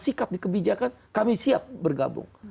sikap dikebijakan kami siap bergabung